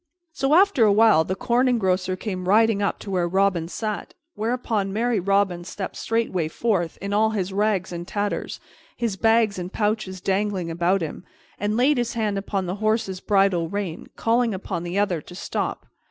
So, after a while, the Corn Engrosser came riding up to where Robin sat; whereupon merry Robin stepped straightway forth, in all his rags and tatters, his bags and pouches dangling about him, and laid his hand upon the horse's bridle rein, calling upon the other to stop.